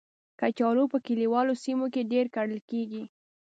کچالو په کلیوالو سیمو کې ډېر کرل کېږي